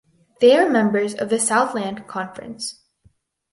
They are members of the Southland Conference.